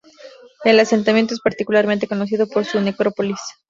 El asentamiento es particularmente conocido por su necrópolis.